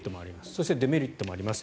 そして、デメリットもあります。